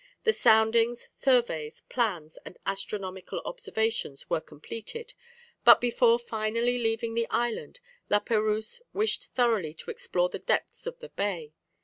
The soundings, surveys, plans, and astronomical observations were completed; but, before finally leaving the island, La Perouse wished thoroughly to explore the depths of the bay.